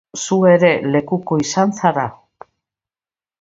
Zu ere lekuko izan zara?